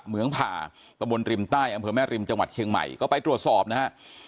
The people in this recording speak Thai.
เมืองผ่าตะบนริมใต้อำเภอแม่ริมจังหวัดเชียงใหม่ก็ไปตรวจสอบนะฮะ